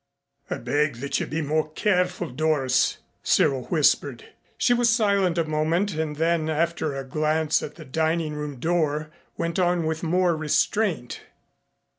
"I beg that you will be more careful, Doris," Cyril whispered. She was silent a moment, and then after a glance at the dining room door, went on with more restraint.